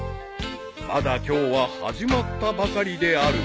［まだ今日は始まったばかりである］